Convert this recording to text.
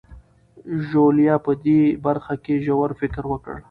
ژوليا په دې برخه کې ژور کار وکړ.